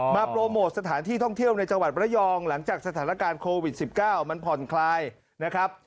โปรโมทสถานที่ท่องเที่ยวในจังหวัดระยองหลังจากสถานการณ์โควิด๑๙มันผ่อนคลายนะครับ